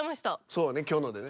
そうね今日のでね。